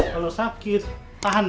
kalau sakit tahan ya